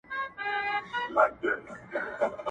ژونده ټول غزل عزل ټپې ټپې سه,